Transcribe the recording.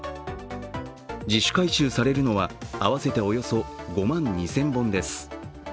自主回収されるのは合わせておよそ５万２０００本です。